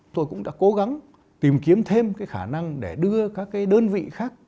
tôi cũng đã cố gắng tìm kiếm thêm cái khả năng để đưa các cái đơn vị khác